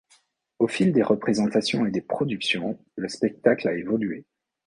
Au fil des représentations et des productions, le spectacle a évolué.